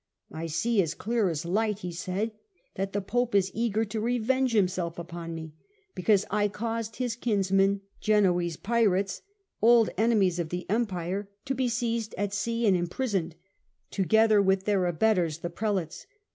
" I see as clear as the light," he said, " that the Pope is eager to revenge himself upon me, because I caused his kinsmen, Genoese pirates, old enemies of the Empire, to be seized at sea and imprisoned, together with their abettors the Prelates.